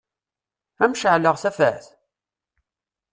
Ad m-ceɛleɣ tafat?